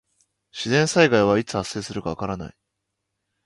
自然災害はいつ発生するかわからない。